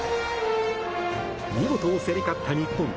見事、競り勝った日本。